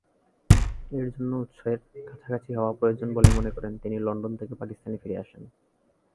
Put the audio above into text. এর জন্য উৎসের কাছাকাছি হওয়া প্রয়োজন বলে মনে করে তিনি লন্ডন থেকে পাকিস্তানে ফিরে আসেন।